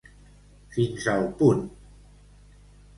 Fins al punt.